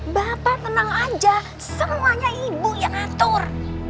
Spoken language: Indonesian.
bapak tenang aja semuanya ibu yang ngatur